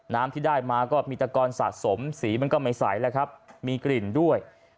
น้ำที่ได้มาก็มีตะกอนสะสมสีมันก็ไม่ใสแล้วครับมีกลิ่นด้วย